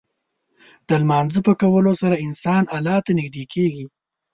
د لمونځ په کولو سره انسان الله ته نږدې کېږي.